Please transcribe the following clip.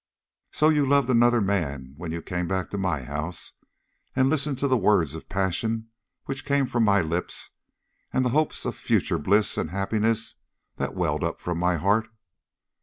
"So you loved another man when you came back to my home and listened to the words of passion which came from my lips, and the hopes of future bliss and happiness that welled up from my heart?"